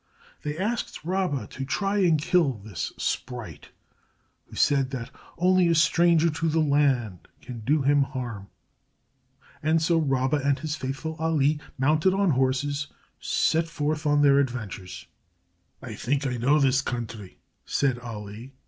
They asked Rabba to try and kill this sprite who said that only a stranger to the land could do him harm, and so Rabba and his faithful Ali, mounted on horses, set forth on their adventures. "I think I know this country," said Ali.